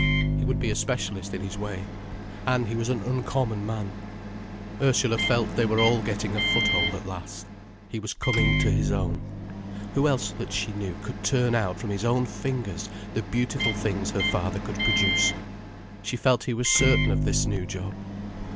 He would be a specialist in his way. And he was an uncommon man. Ursula felt they were all getting a foothold at last. He was coming to his own. Who else that she knew could turn out from his own fingers the beautiful things her father could produce? She felt he was certain of this new job.